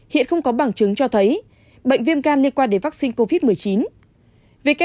hiện không có bằng chứng cho thấy bệnh viêm gan liên quan đến vaccine covid một mươi chín